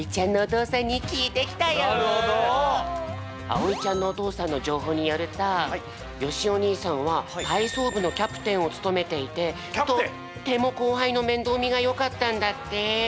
あおいちゃんのおとうさんの情報によるとよしお兄さんは体操部のキャプテンをつとめていてとっても後輩のめんどうみがよかったんだって。